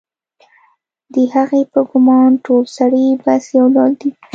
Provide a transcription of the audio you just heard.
د هغې په ګومان ټول سړي بس یو ډول دي